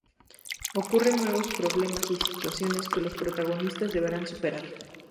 Ocurren nuevos problemas y situaciones que los protagonistas deberán superar.